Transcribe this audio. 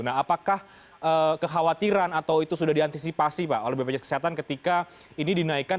nah apakah kekhawatiran atau itu sudah diantisipasi pak oleh bpjs kesehatan ketika ini dinaikkan